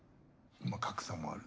格差もある。